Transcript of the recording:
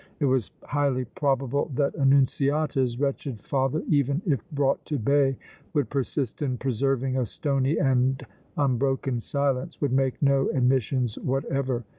It was highly probable that Annunziata's wretched father, even if brought to bay, would persist in preserving a stony and unbroken silence, would make no admissions whatever.